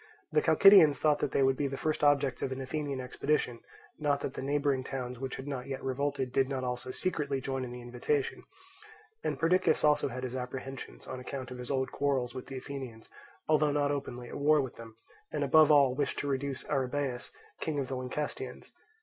The Chalcidians thought that they would be the first objects of an Athenian expedition, not that the neighbouring towns which had not yet revolted did not also secretly join in the invitation; and Perdiccas also had his apprehensions on account of his old quarrels with the Athenians, although not openly at war with them, and above all wished to reduce Arrhabaeus, king of the Lyncestians.